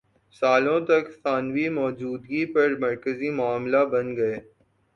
سالوں تک ثانوی موجودگی پر مرکزی معاملہ بن گئے